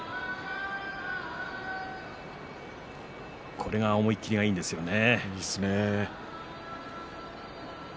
これ、思いきりがいいですよね。